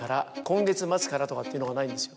「今月末から」とかっていうのがないんですよ。